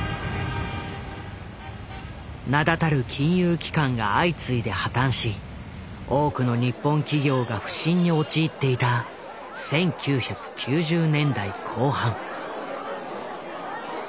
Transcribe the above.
名だたる金融機関が相次いで破たんし多くの日本企業が不振に陥っていた１９９０年代後半。